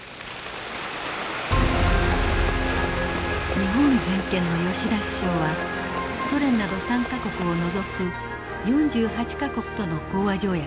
日本全権の吉田首相はソ連など３か国を除く４８か国との講和条約に署名。